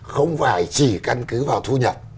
không phải chỉ căn cứ vào thu nhập